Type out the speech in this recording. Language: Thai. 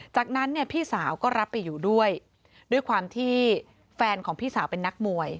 จากนั้นเนี่ยพี่สาวก็รับไปอยู่ด้วยด้วยความที่แฟนของพี่สาวเป็นนักมวย